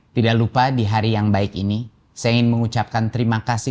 tidak lupa di hari yang baik ini saya ingin mengucapkan terima kasih